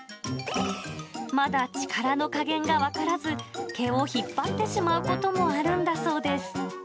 まだ力の加減が分からず、毛を引っ張ってしまうこともあるそうです。